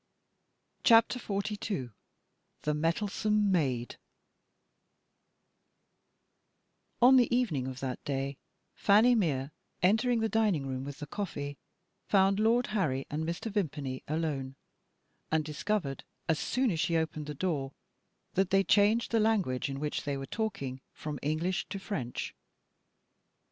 CHAPTER XLII THE METTLESOME MAID ON the evening of that day Fanny Mere, entering the dining room with the coffee, found Lord Harry and Mr. Vimpany alone, and discovered (as soon as she opened the door) that they changed the language in which they were talking from English to French.